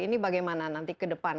ini bagaimana nanti ke depan